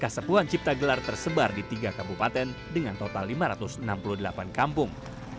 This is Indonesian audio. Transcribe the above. kasepuan cipta gelar tersebar di tiga kabupaten dengan total lima ratus enam puluh delapan kampung